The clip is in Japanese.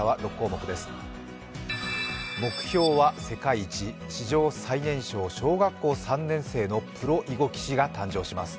目標は世界一、史上最年少、小学校３年生のプロ囲碁棋士が誕生します。